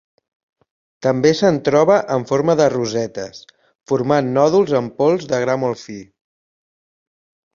També se'n troba en forma de rosetes, formant nòduls en pols de gra molt fi.